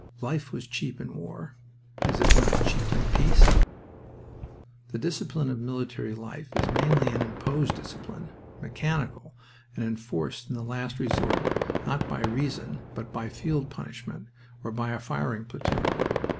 Life was cheap in war. Is it not cheap in peace?... The discipline of military life is mainly an imposed discipline mechanical, and enforced in the last resort not by reason, but by field punishment or by a firing platoon.